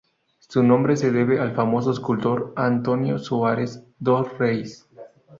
Su nombre se debe al famoso escultor António Soares dos Reis.